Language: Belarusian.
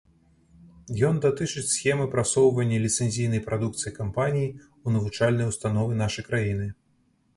Ён датычыць схемы прасоўвання ліцэнзійнай прадукцыі кампаніі ў навучальныя ўстановы нашай краіны.